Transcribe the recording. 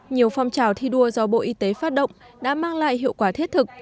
nhiều phong trào thi đua do bộ y tế phát động đã mang lại hiệu quả thiết thực